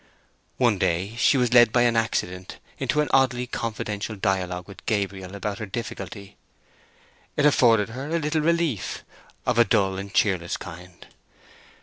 One day she was led by an accident into an oddly confidential dialogue with Gabriel about her difficulty. It afforded her a little relief—of a dull and cheerless kind.